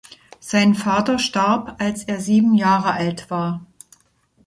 Sein Vater starb, als er sieben Jahre alt war.